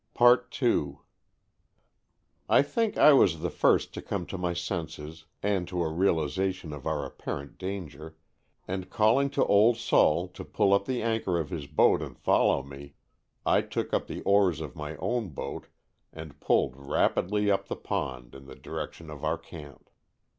52 Stories from the Adirondacks. II. I think I was the first to come to my senses and to a realization of our appar ent danger, and calling to "Old Sol" to pull up the anchor of his boat and follow me, I took up the oars of my own boat and pulled rapidly up the pond in the direction of our camp.